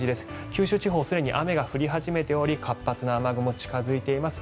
九州地方はすでに雨が降り始めており活発な雨雲が近付いています。